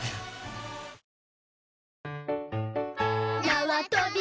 なわとび